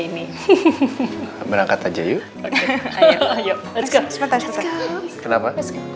ini berangkat aja yuk ayo kenapa